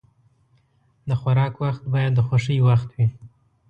د خوراک وخت باید د خوښۍ وخت وي.